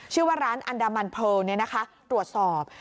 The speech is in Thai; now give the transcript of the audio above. ชื่อว่าร้านอันดามันเผลิลตรวจสอบ